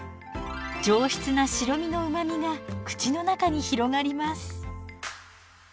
上質な白身のうまみが口の中に広がります。